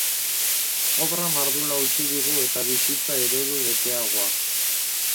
Obra mardula utzi digu eta bizitza eredu beteagoa.